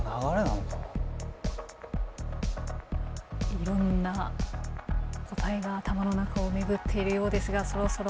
いろんな答えが頭の中を巡っているようですがそろそろお答え。